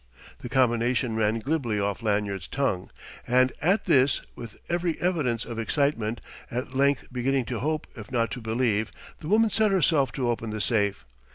The combination ran glibly off Lanyard's tongue. And at this, with every evidence of excitement, at length beginning to hope if not to believe, the woman set herself to open the safe.